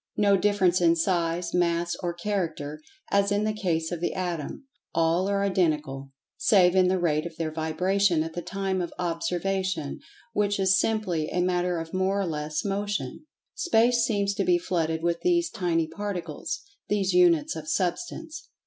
No difference in size, mass or[Pg 93] character, as in the case of the Atom—all are identical, save in the rate of their vibration at the time of observation, which is simply a matter of more or less Motion. Space seems to be flooded with these tiny particles—these Units of Substance.